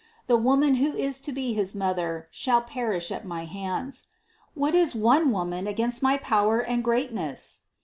The Woman who is to be his Mother shall perish at my hands. What is one Woman against my power and greatness?